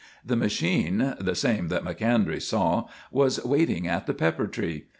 The machine the same that Macondray saw was waiting at the pepper tree.